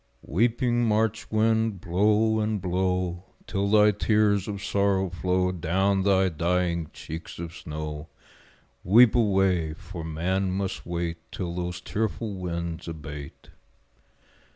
Weeping March wind, blow and blow Till thy tears of sorrow flow Down thy dying cheeks of snow Weep away! for man must wait Till those tearful winds abate.